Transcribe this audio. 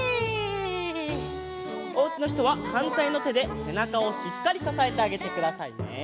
おうちのひとははんたいのてでせなかをしっかりささえてあげてくださいね。